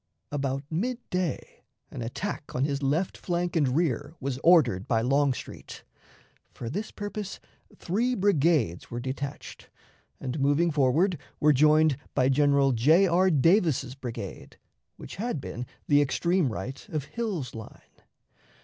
About mid day an attack on his left flank and rear was ordered by Longstreet. For this purpose three brigades were detached, and, moving forward, were joined by General J. R. Davis's brigade, which had been the extreme right of Hill's line.